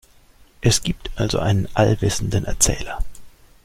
Es gibt also einen allwissenden Erzähler.